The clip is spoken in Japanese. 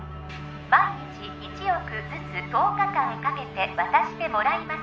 毎日１億ずつ１０日間かけて渡してもらいます